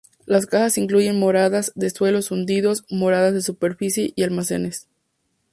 Las casas incluyen moradas de suelos hundidos, moradas de superficie y almacenes.